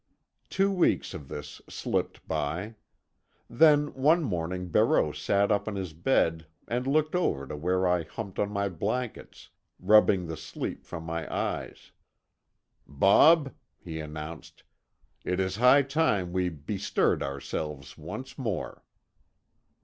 Two weeks of this slipped by. Then one morning Barreau sat up on his bed and looked over to where I humped on my blankets, rubbing the sleep from my eyes. "Bob," he announced, "it is high time we bestirred ourselves once more."